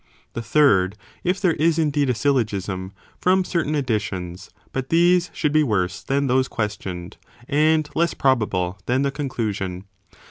The third, if there is indeed a syllogism, from certain addi tions, but these should be worse than those questioned, and less probable than the conclusion.